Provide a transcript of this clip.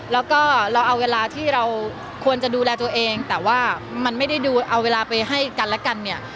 แล้วก็เราเอาเวลาที่เราควรจะดูแลตัวเองแต่ว่ามันไม่ได้ดูเอาเวลาไปให้กันและกันเนี่ย